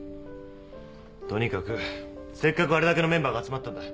とにかくせっかくあれだけのメンバーが集まったんだ。